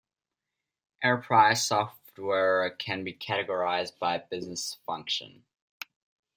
Enterprise software can be categorized by business function.